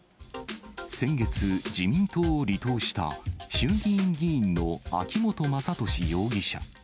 先月、自民党を離党した衆議院議員の秋本真利容疑者。